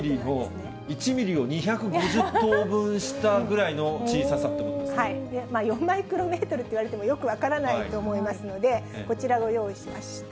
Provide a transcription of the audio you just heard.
１ミリを２５０等分したぐら４マイクロメートルって言われてもよく分からないと思いますので、こちらを用意しました。